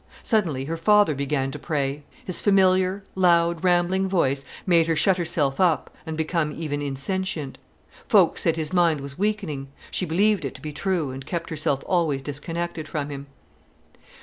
Suddenly her father began to pray. His familiar, loud, rambling voice made her shut herself up and become even insentient. Folks said his mind was weakening. She believed it to be true, and kept herself always disconnected from him.